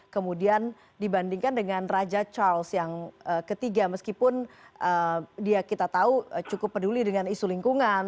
kemudian dibandingkan dengan raja charles yang ketiga meskipun dia kita tahu cukup peduli dengan isu lingkungan